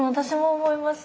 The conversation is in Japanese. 思いました。